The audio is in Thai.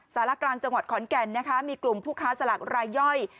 สารกลางจังหวัดขอนแก่นนะคะมีกลุ่มผู้ค้าสลากรายย่อย